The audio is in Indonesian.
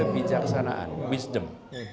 pijak sanaan wisem